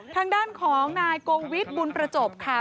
ทางด้านของกโววิดบุณประจบค่ะ